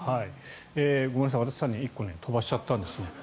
ごめんなさい私、１個飛ばしちゃったんですね。